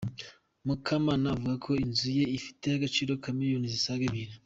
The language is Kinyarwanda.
Mukamana avuga ko inzu ye ifite agaciro ka miliyoni zisaga ebyiri.